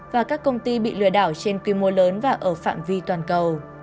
và các công ty bị lừa đảo trên quy mô lớn và ở phạm vi toàn cầu